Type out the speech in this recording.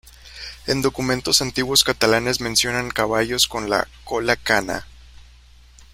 En documentos antiguos catalanes mencionan caballos con la "cola cana".